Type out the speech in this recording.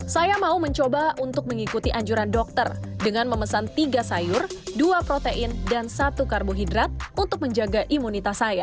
saya mau mencoba untuk mengikuti anjuran dokter dengan memesan tiga sayur dua protein dan satu karbohidrat untuk menjaga imunitas saya